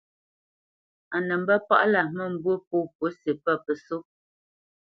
Á nə mbə̄ palá mə̂mbû pô pǔsi pə́ pəsó.